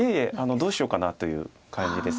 どうしようかなという感じです。